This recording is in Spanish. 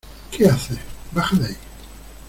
¿ Qué haces? ¡ baja de ahí!